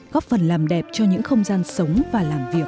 góp phần làm đẹp cho những không gian sống và làm việc